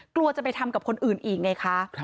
กลัวจะไปทำกับคนอื่นอีกไงคะ